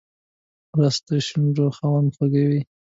رس د شونډو خوند خوږوي